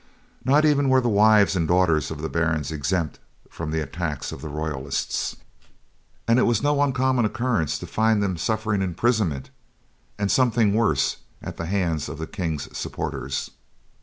Not even were the wives and daughters of the barons exempt from the attacks of the royalists; and it was no uncommon occurrence to find them suffering imprisonment, and sometimes worse, at the hands of the King's supporters.